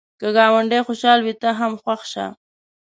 که ګاونډی خوشحال وي، ته هم خوښ شه